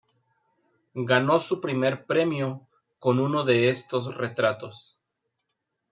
Ganó su primer premio con uno de estos retratos.